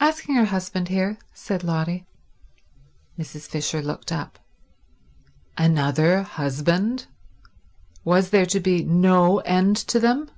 "Asking her husband here," said Lotty. Mrs. Fisher looked up. Another husband? Was there to be no end to them?